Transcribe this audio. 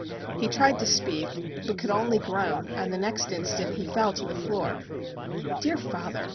He tried to speak, but could only groan, and the next instant he fell to the floor. Dear father!